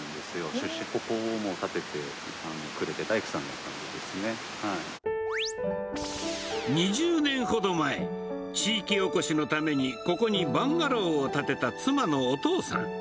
出身、ここを建ててくれて、２０年ほど前、地域おこしのために、ここにバンガローを建てた妻のお父さん。